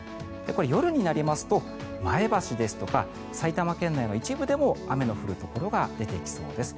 夜になりますと前橋ですとか埼玉県内の一部でも雨の降るところが出てきそうです。